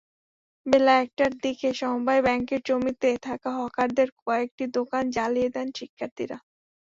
বেলা একটার দিকে সমবায় ব্যাংকের জমিতে থাকা হকারদের কয়েকটি দোকান জ্বালিয়ে দেন শিক্ষার্থীরা।